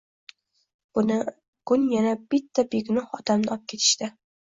Bugun yana bitta begunoh odamni opketishdi.